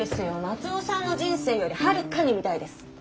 松尾さんの人生よりはるかに見たいです。